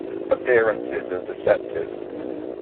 Appearances are deceptive.